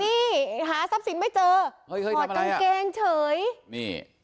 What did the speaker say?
นี่หาทรัพย์สินไม่เจอเฮ้ยเฮ้ยทำอะไรถอดกางเกงเฉยนี่